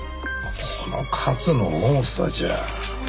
この数の多さじゃ。